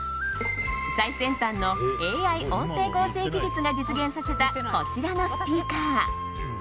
最先端のＡＩ音声合成技術が実現させたこちらのスピーカー。